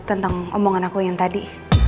tentang omongan aku yang tadi